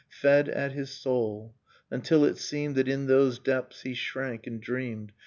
Fed at his soul, until it seemed That in those depths he shrank and dreamed.